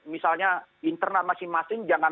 misalnya internal masing masing